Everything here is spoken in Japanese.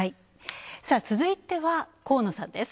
続いては、河野さんです。